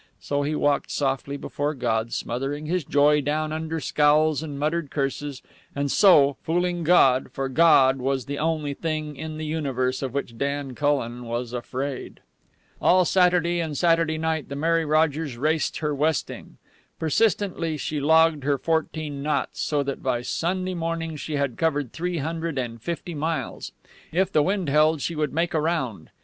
So he walked softly before God, smothering his joy down under scowls and muttered curses, and, so, fooling God, for God was the only thing in the universe of which Dan Cullen was afraid. All Saturday and Saturday night the Mary Rogers raced her westing. Persistently she logged her fourteen knots, so that by Sunday morning she had covered three hundred and fifty miles. If the wind held, she would make around.